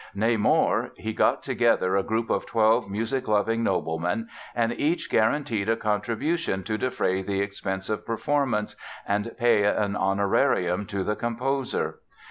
Nay, more, "he got together a group of twelve music loving noblemen and each guaranteed a contribution to defray the expenses of performance and pay an honorarium to the composer."